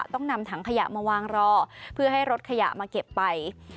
ต้องนำถังขยะมาวางรอเพื่อให้รถขยะมาเก็บไป